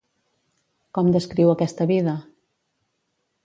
Com descriu aquesta vida?